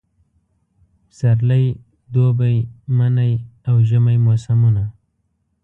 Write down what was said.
پسرلی، دوبی، منی اوژمی موسمونه